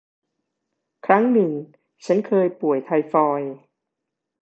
ครั้งหนึ่งฉันเคยป่วย ไทฟอยด์